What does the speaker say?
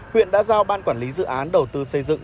huyện đã giao ban quản lý dự án đầu tư xây dựng